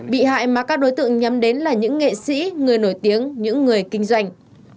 bị hại mà các đối tượng nhắm đến là những nghệ sĩ người nổi tiếng những người kinh doanh